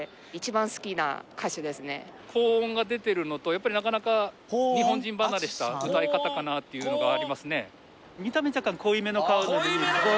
やっぱりなかなか日本人離れした歌い方かなっていうのがありますね。